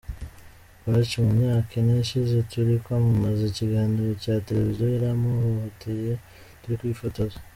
Bush mu myaka ine ishize turi kwamamaza ikiganiro cya televiziyo yarampohohoteye turi kwifotoza.